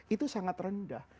itu sangat rendah